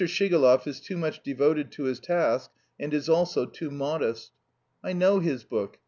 Shigalov is too much devoted to his task and is also too modest. I know his book.